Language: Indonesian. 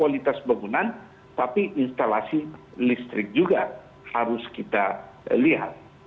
kualitas bangunan tapi instalasi listrik juga harus kita lihat